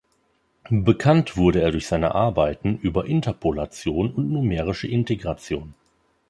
Bekannt wurde er durch seine Arbeiten über Interpolation und numerische Integration.